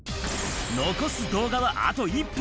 残す動画はあと１本。